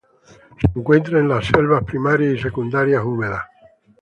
Se encuentra en selvas primarias y secundarias húmedas.